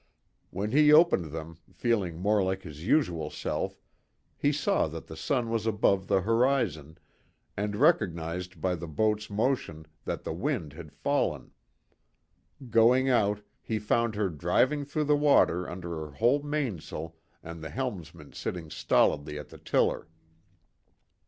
When he opened them, feeling more like his usual self, he saw that the sun was above the horizon, and recognised by the boat's motion that the wind had fallen. Going out, he found her driving through the water under her whole mainsail and the helmsman sitting stolidly at the tiller.